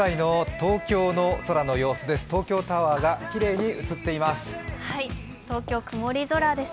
東京タワーがきれいに映っています。